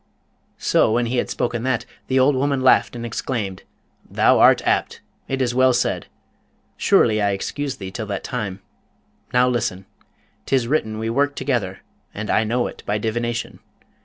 So, when he had spoken that, the old woman laughed and exclaimed, 'Thou art apt! it is well said! Surely I excuse thee till that time! Now listen! 'Tis written we work together, and I know it by divination.